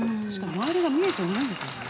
周りが見えてないんですもんね。